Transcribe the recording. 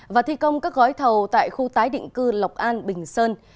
và thi công các gói thầu tại khu tái định cư lộc an bình sơn